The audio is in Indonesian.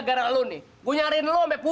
kayaknya kayak dirimu